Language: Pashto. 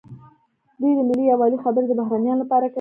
دوی د ملي یووالي خبرې د بهرنیانو لپاره کوي.